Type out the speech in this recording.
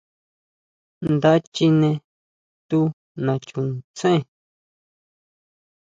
Nda chine tu nachuntsén.